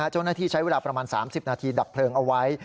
เจ้าหน้าที่ใช้เวลาประมาณ๓๐นาทีดับเพลิงเอาไว้